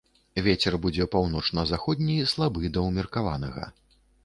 Вецер будзе паўночна-заходні, слабы да ўмеркаванага.